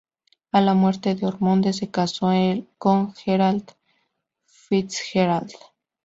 A la muerte de Ormonde, se casó con Gerald FitzGerald.